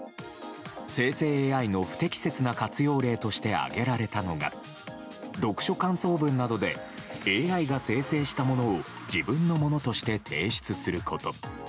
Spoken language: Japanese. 生成ＡＩの不適切な活用例として挙げられたのが読書感想文などでＡＩが生成したものを自分のものとして提出すること。